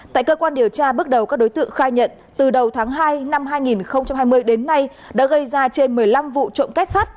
tại cơ quan điều tra bước đầu các đối tượng khai nhận từ đầu tháng hai năm hai nghìn hai mươi đến nay đã gây ra trên một mươi năm vụ trộm kết sắt